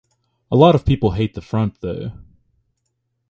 A lot of people hate the front though.